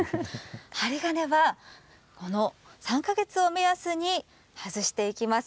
針金は、３か月を目安に外していきます。